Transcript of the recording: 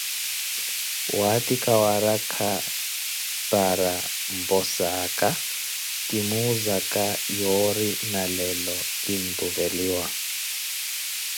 waatikha warakha para mposaaka, kimuuza yoori nalelo kintuveliwa.